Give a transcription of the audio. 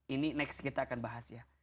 ini next kita akan bahas ya